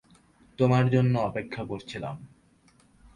তোমার জন্য অপেক্ষা করছিলাম।